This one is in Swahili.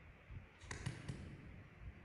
dean alikufa mwaka elfu mbili na tisa